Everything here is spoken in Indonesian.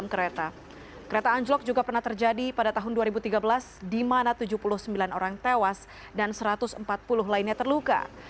kereta anjlok juga pernah terjadi pada tahun dua ribu tiga belas di mana tujuh puluh sembilan orang tewas dan satu ratus empat puluh lainnya terluka